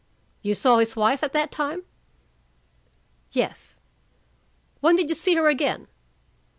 "You saw his wife at that time?" "Yes." "When did you see her again?"